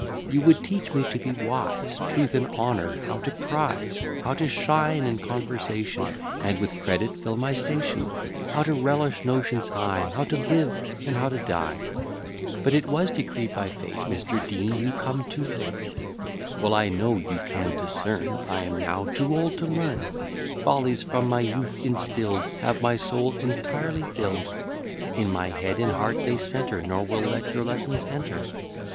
You would teach me to be wise: Truth and honour how to prize; How to shine in conversation, And with credit fill my station; How to relish notions high; How to live, and how to die. But it was decreed by Fate Mr. Dean, you come too late. Well I know, you can discern, I am now too old to learn: Follies, from my youth instill'd, Have my soul entirely fill'd; In my head and heart they centre, Nor will let your lessons enter.